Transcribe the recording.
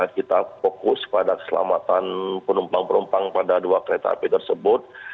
kita fokus pada keselamatan penumpang penumpang pada dua kereta api tersebut